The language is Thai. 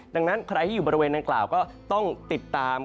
ดังนั้นใครที่อยู่บริเวณนางกล่าวก็ต้องติดตาม